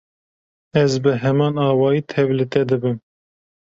Ez bi heman awayî tevlî te dibim.